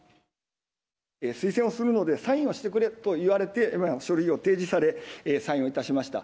推薦をするので、サインをしてくれと言われて、書類を提示され、サインをいたしました。